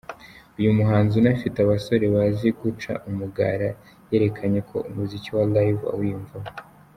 Uyu muhanzi unafite abasore bazi guca umugara yerekanye ko umuziki wa Live awiyumvamo.